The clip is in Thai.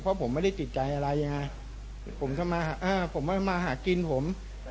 เพราะผมไม่ได้ติดใจอะไรยังไงผมจะมาอ้าวผมไม่มาหากินผม